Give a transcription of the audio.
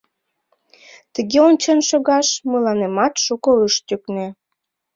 Тыге ончен шогаш мыланемат шуко ыш тӱкнӧ.